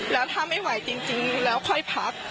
แล้วถ้าไม่ไหวจริงแล้วค่อยพัก